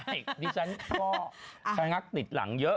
ใช่ดิฉันก็ชะงักติดหลังเยอะ